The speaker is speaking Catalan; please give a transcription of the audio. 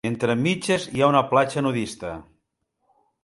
Entre mitges hi ha una platja nudista.